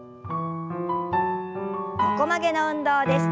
横曲げの運動です。